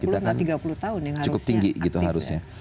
demografi milenial kita kan cukup tinggi gitu harusnya